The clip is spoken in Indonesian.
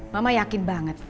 mama yakin banget